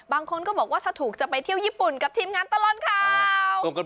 บางคนก็บอกว่าถ้าถูกจะไปเที่ยวญี่ปุ่นกับทีมงานตลอดข่าว